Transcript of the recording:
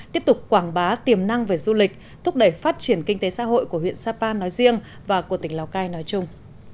tiếp tục quảng bá tiềm năng về du lịch thúc đẩy phát triển kinh tế xã hội của huyện sapa nói riêng và của tỉnh lào cai nói chung